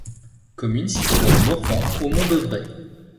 Commune située dans le Morvan au mont Beuvray.